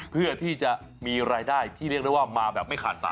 เพื่อที่จะมีรายได้ที่เรียกได้ว่ามาแบบไม่ขาดสาย